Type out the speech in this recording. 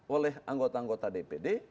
oleh anggota anggota dpd